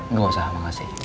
nggak usah makasih